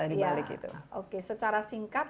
baik secara singkat